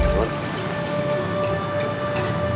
aku pengen pindah manej